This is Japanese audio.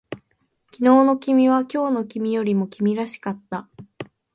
昨日の君は今日の君よりも君らしかった